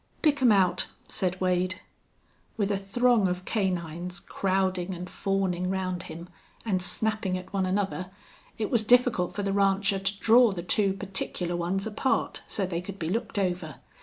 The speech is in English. "Pick 'em out," said Wade. With a throng of canines crowding and fawning round him, and snapping at one another, it was difficult for the rancher to draw the two particular ones apart so they could be looked over.